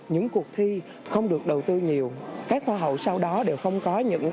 những cuộc thi không được đầu tư nhiều